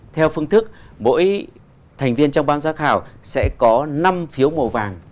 theo phương thức mỗi thành viên trong ban giám khảo sẽ có năm phiếu màu vàng